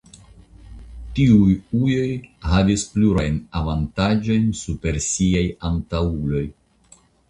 Tiuj ujoj havis plurajn avantaĝojn super siaj antaŭuloj.